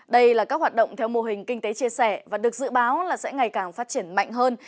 đây là các hoạt động theo mô hình kinh tế chia sẻ và được dự báo là sẽ ngày càng phát triển mạnh hơn